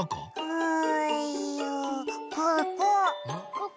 ここ？